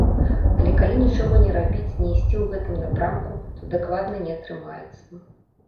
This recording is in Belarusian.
Але калі нічога не рабіць, не ісці ў гэтым напрамку, то дакладна не атрымаецца.